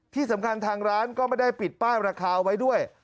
ที่สำคัญทางร้านก็ไม่ได้ปิดป้ายราคาไว้ด้วย